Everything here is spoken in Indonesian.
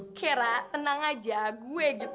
oke ra tenang aja gue gitu